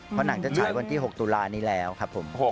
เพราะหนังจะฉายวันที่๖ตุลานี้แล้วครับผม